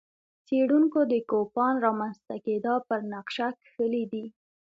څېړونکو د کوپان رامنځته کېدا پر نقشه کښلي دي.